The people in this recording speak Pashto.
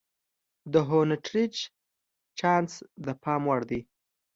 د هونټریج چانس د پام وړ دی.